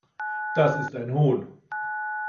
Das ist ein Hohn.